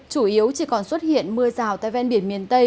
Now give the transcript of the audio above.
chủ yếu chỉ còn xuất hiện mưa rào tại ven biển miền tây